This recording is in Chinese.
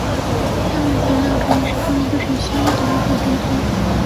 下面的材料主要是关于这种狭义的合法监听。